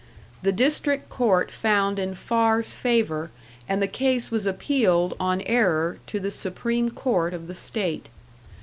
The district court found in Farr's favour, and the case was appealed on error to the Supreme Court of the State.